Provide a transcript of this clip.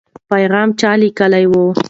پیغام چا لیکلی و؟